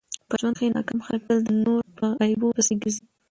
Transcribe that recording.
په ژوند کښي ناکام خلک تل د نور په عیبو پيسي ګرځي.